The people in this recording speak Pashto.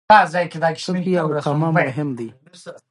ټکی او کامه مهم دي.